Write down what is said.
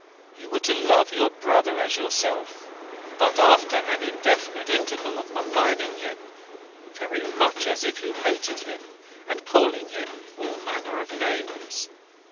You were to love your brother as yourself, but after an indefinite interval of maligning him (very much as if you hated him), and calling him all manner of names.